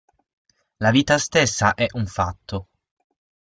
La vita stessa è un fatto!